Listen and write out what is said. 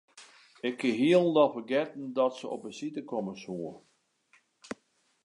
Ik hie hielendal fergetten dat se op besite komme soe.